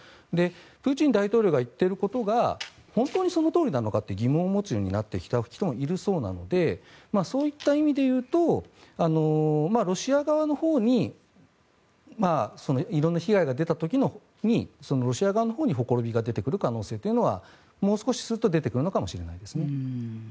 プーチン大統領が言っていることが本当にそのとおりなのかと疑問を持つようになってきた人もいるそうなのでそういった意味でいうとロシア側のほうに色んな被害が出た時にロシア側のほうにほころびが出てくる可能性というのはもう少しすると出てくるのかもしれないですね。